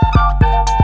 kau mau kemana